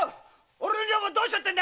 俺の女房どうしようってんだよ！